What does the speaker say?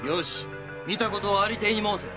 見たことを有り体に申せ。